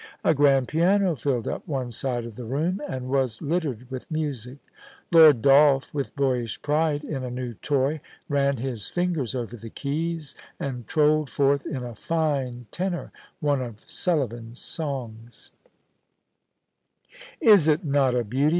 A grand piano filled up one side of the room, and was littered with music. Lord Dolph, with boyish pride in a new toy, ran his fingers over the keys, and trolled forth in a fine tenor one of Sullivan's songs. ■^* YOU MUST MARRY HONORIA LONGLEAT: 6i *Is it not a beauty?